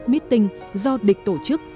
meeting do địch tổ chức